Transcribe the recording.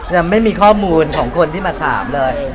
ยังไม่มีข้อมูลของคนที่มาถามเลย